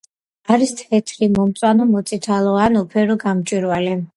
არის თეთრი, მომწვანო, მოწითალო ან უფერო გამჭვირვალე.